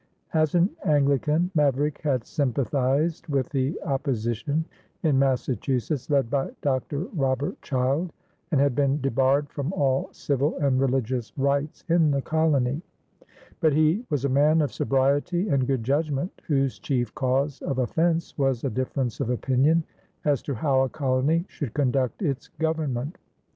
As an Anglican, Maverick had sympathized with the opposition in Massachusetts led by Dr. Robert Child, and had been debarred from all civil and religious rights in the colony; but he was a man of sobriety and good judgment, whose chief cause of offense was a difference of opinion as to how a colony should conduct its government.